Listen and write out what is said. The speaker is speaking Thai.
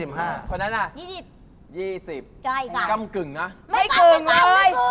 ไม่กล้ามกึ่งเลย